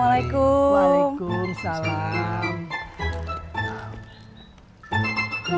ya udah kalo gitu puput pamit ya